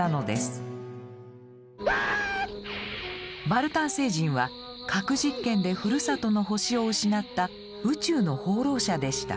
バルタン星人は核実験でふるさとの星を失った宇宙の放浪者でした。